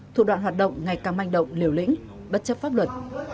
thủ đoạn hoạt động ngày càng manh động liều lĩnh bất chấp pháp luật